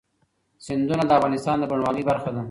سیندونه د افغانستان د بڼوالۍ برخه ده.